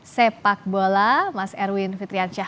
sepak bola mas erwin fitriansyah